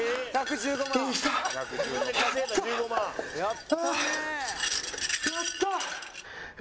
やったー！